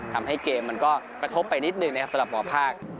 ทำให้เกมมันก็กระทบไปนิดนึงนะครับสำหรับหมอภาค